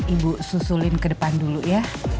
ibu susulin ke depan dulu ya